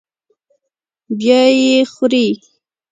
بیا یې خوري.